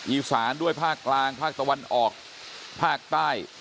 อีสานด้วยภาคกลางภาคตะวันออกภาคใต้